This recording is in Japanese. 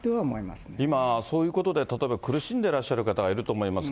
今、そういうことで、例えば苦しんでらっしゃる方がいると思います。